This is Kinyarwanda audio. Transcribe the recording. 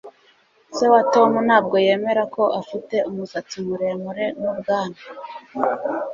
Se wa Tom ntabwo yemera ko afite umusatsi muremure nubwanwa